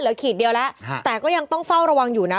ขีดเดียวแล้วแต่ก็ยังต้องเฝ้าระวังอยู่นะ